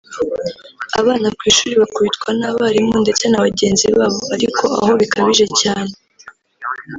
abana ku ishuri bakubitwa n’abarimu ndetse na bagenzi babo ariko aho bikabije cyane